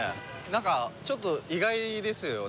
なんかちょっと意外ですよね。